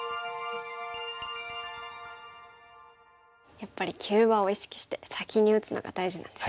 やっぱり急場を意識して先に打つのが大事なんですね。